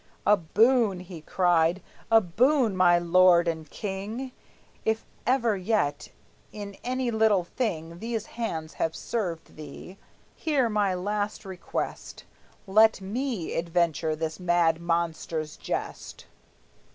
"A boon," he cried, "a boon, my lord and king! If ever yet in any little thing These hands have served thee, hear my last request: Let me adventure this mad monster's jest!"